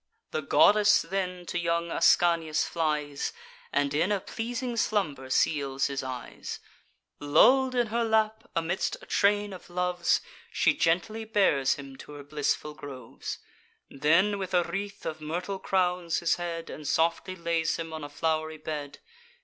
The goddess then to young Ascanius flies, And in a pleasing slumber seals his eyes: Lull'd in her lap, amidst a train of Loves, She gently bears him to her blissful groves, Then with a wreath of myrtle crowns his head, And softly lays him on a flow'ry bed.